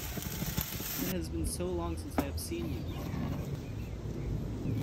It has been so long since I have seen you!